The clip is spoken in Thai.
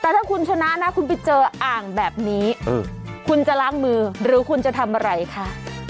แต่ถ้าคุณชนะนะคุณไปเจออ่างแบบนี้คุณจะล้างมือหรือคุณจะทำอะไรคะ